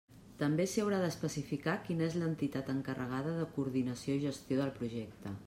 També s'hi haurà d'especificar quina és l'entitat encarregada de la coordinació i gestió del projecte.